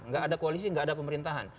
tidak ada koalisi tidak ada pemerintahan